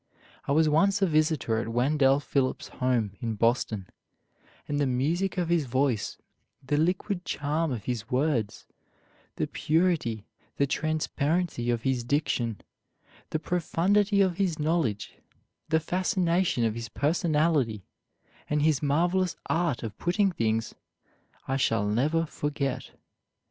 I was once a visitor at Wendell Phillips's home in Boston, and the music of his voice, the liquid charm of his words, the purity, the transparency of his diction, the profundity of his knowledge, the fascination of his personality, and his marvelous art of putting things, I shall never forget.